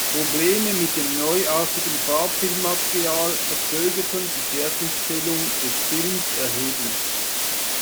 Probleme mit dem neuartigen Farbfilm-Material verzögerten die Fertigstellung des Films erheblich.